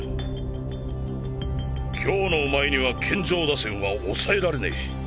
今日のお前には健丈打線は抑えられねぇ。